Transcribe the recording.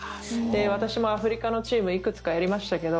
私もアフリカのチームいくつかやりましたけど